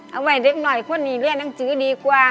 เอาไว้เล็กข้อหนีเรียนต้องซื้อดีกว่า